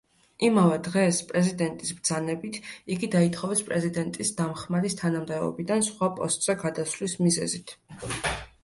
იმავე დღეს, პრეზიდენტის ბრძანებით, იგი დაითხოვეს პრეზიდენტის დამხმარის თანამდებობიდან სხვა პოსტზე გადასვლის მიზეზით.